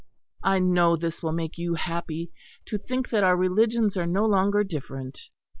I know this will make you happy to think that our religions are no longer different.